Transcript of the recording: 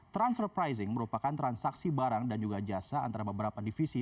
transfer pricing merupakan transaksi barang dan juga jasa antara beberapa divisi